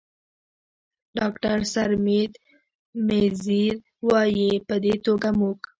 ډاکتر سرمید میزیر، وايي: "په دې توګه موږ